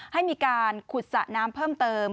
ให้มีการขุดสระน้ำเพิ่มเติม